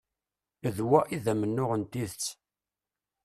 D wa i d amennuɣ n tidet.